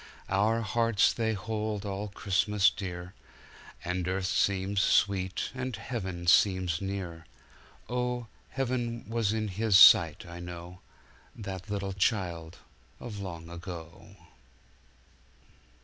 Our hearts they hold all Christmas dear, And earth seems sweet and heaven seems near, Oh, heaven was in His sight, I know, That little Child of long ago.